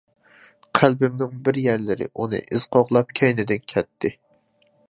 قەلبىمنىڭ بىر يەرلىرى ئۇنى ئىز قوغلاپ كەينىدىن كەتتى.